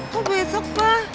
kok besok pah